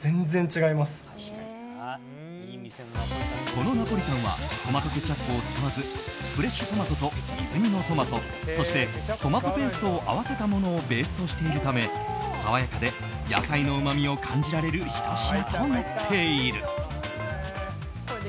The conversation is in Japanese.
このナポリタンはトマトケチャップを使わずフレッシュトマトと水煮のトマトそしてトマトペーストを合わせたものをベースとしているため爽やかで野菜のうまみを感じられる、ひと品となっている。